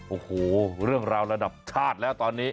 โอ้โหเรื่องราวระดับชาติแล้วตอนนี้